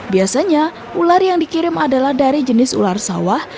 biasanya ular yang dikirim adalah dari jenis ular sawah